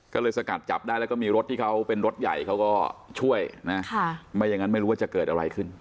ก็เลยสกัดจับได้แล้วก็มีรถที่เขาเป็นรถใหญ่เขาก็ช่วยนะไม่อย่างนั้นไม่รู้ว่าจะเกิดอะไรขึ้น